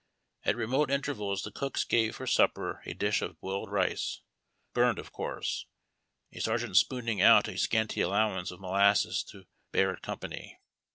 At remote intervals the cooks gave for supper a dish of boiled rice (burned, of course), a sergeant spooning out a scanty allowance of molasses to bear it company.